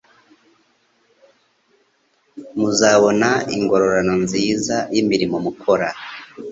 muzabona ingororano nziza' y'imirimo mukorana